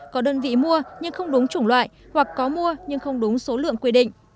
có đơn vị mua nhưng không đúng chủng loại hoặc có mua nhưng không đúng số lượng quy định